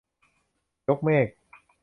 ยกเมฆ